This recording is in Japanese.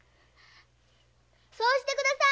そうしてください。